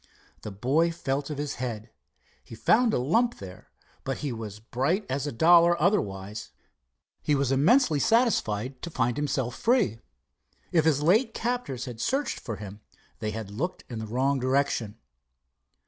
The boy felt of his head. He found a lump there, but he was as bright as a dollar otherwise. He was immensely satisfied to find himself free. If his late captors had searched for him, they had looked in the wrong direction.